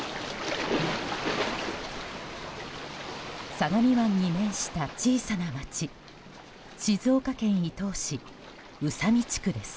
相模湾に面した小さな街静岡県伊東市宇佐美地区です。